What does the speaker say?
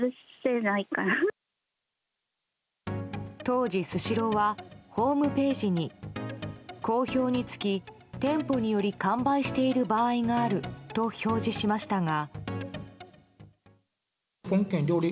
当時、スシローはホームページに好評につき、店舗により完売している場合があると表示しましたが。